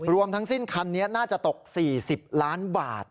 รวมทั้งสิ้นคันนี้น่าจะตก๔๐ล้านบาท